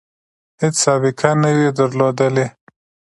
هیڅ سابقه نه وي درلودلې.